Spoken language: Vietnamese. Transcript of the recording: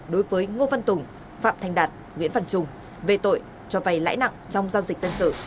đối với ngô văn tùng phạm thành đạt nguyễn văn trung về tội cho vay lãi nặng trong giao dịch dân sự